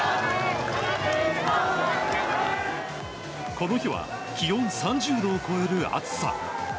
この日は気温３０度を超える暑さ。